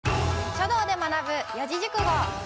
「書道で学ぶ四字熟語」。